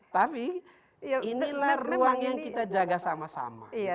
tapi inilah ruang yang kita jaga sama sama